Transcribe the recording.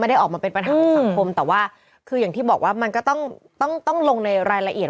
ได้ออกมาเป็นปัญหาในสังคมแต่ว่าคืออย่างที่บอกว่ามันก็ต้องต้องลงในรายละเอียด